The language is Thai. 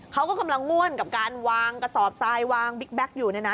เขาก็กำลังม่วนกับการวางกระสอบทรายวางบิ๊กแก๊กอยู่เนี่ยนะ